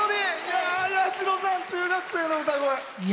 八代さん、中学生の歌声。